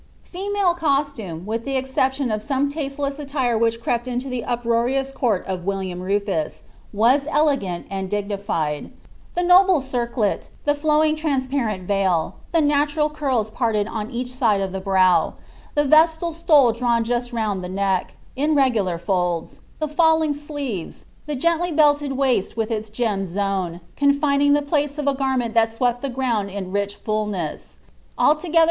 Female costume, with the exemption of some tasteless attire which crept into the uproarious court of Wiltiam Rufus, was elegant and dignified ; the noble circlet, the Itow tng tianspareni veil, the natural curls parted on each side of the brow, the vestal stole drawn just round the neck, in regidar folds, the falling tl 'eve*, the gendy belled waist with its gemmed zone, confining the >t!i of a garment that swept the ground in rich fulness, altogether i.